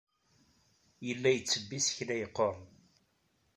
Yella yettebbi isekla yeqquren.